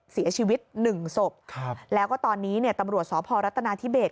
เสียชีวิตหนึ่งศพแล้วก็ตอนนี้ตำรวจสภรัตนาธิเบรก